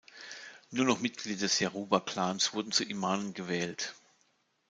Nur noch Mitglieder des Yaruba-Clans wurden zu Imamen gewählt.